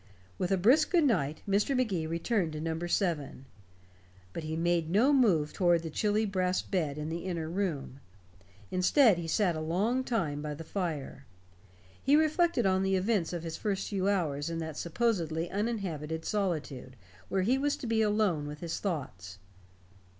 With a brisk good night, Mr. Magee returned to number seven. But he made no move toward the chilly brass bed in the inner room. Instead he sat a long time by the fire. He reflected on the events of his first few hours in that supposedly uninhabited solitude where he was to be alone with his thoughts.